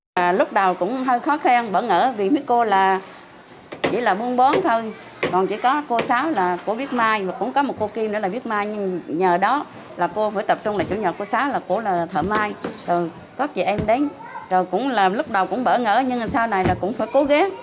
rồi có chị em đến rồi cũng là lúc đầu cũng bỡ ngỡ nhưng sau này là cũng phải cố ghét cố ghét làm cho thằng được